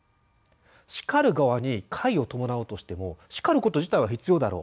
「叱る側に快を伴うとしても叱ること自体は必要だろう」